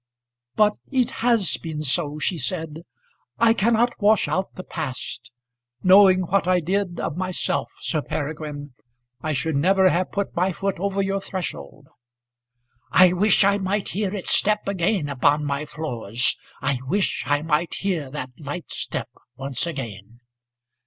"But it has been so," she said. "I cannot wash out the past. Knowing what I did of myself, Sir Peregrine, I should never have put my foot over your threshold." "I wish I might hear its step again upon my floors. I wish I might hear that light step once again."